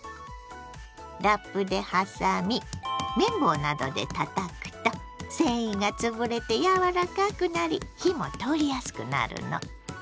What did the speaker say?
ラップで挟み麺棒などでたたくと繊維がつぶれてやわらかくなり火も通りやすくなるの。